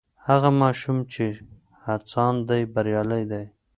هغه ماشوم چې هڅاند دی بریالی دی.